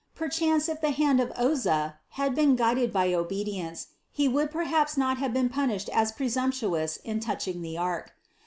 Perchance if the hand of Oza had been guided by obedience, he would perhaps not have been punished as presumptuous in touching the ark.